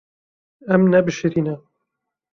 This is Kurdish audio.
Em nebişirîne.